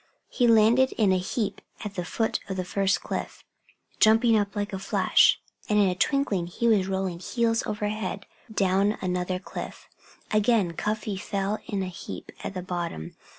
He landed in a heap at the foot of the first cliff, jumped up like a flash and in a twinkling he was rolling heels over head down another cliff. Again Cuffy fell in a heap at the bottom.